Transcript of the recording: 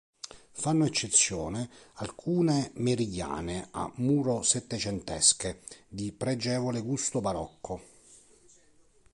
Fanno eccezione alcune meridiane a muro settecentesche di pregevole gusto barocco.